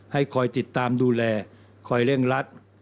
ให้คอยติดตามดูแลคอยเร่งรัด